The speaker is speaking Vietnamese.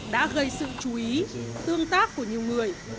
đã gây sự chú ý tương tác của nhiều người